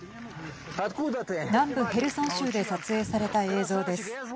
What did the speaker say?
南部ヘルソン州で撮影された映像です。